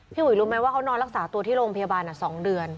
อุ๋ยรู้ไหมว่าเขานอนรักษาตัวที่โรงพยาบาล๒เดือน